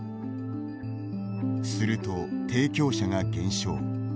すると、提供者が減少。